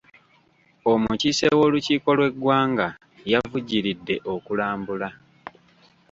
Omukiise w'olukiiko lw'eggwanga yavujjiridde okulambula.